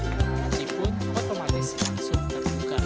aplikasi goes pun otomatis langsung terbuka